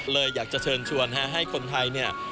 เลยอยากจะเชิญชวนให้คนไทย